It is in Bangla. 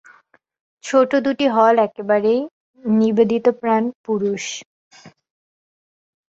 ছোট দুটি হল একেবারে নিবেদিতপ্রাণ পুরুষ।